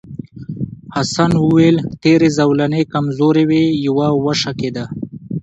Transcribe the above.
حسن وویل تېرې زولنې کمزورې وې یوه وشکېده.